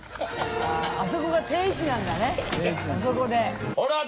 あそこが定位置なんだねあそこで。